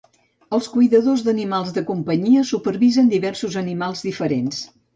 Els cuidadors d'animals de companyia supervisen diversos animals diferents.